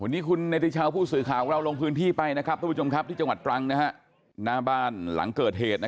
วันนี้คุณนัฐิชาวภูมิสือขาวลงพื้นที่ไปนะครับทั้ง๓จังหวัดตรังนะฮะหน้าบ้านหลังเกิดเหตุนะ